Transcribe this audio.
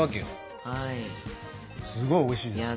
すごいおいしいです。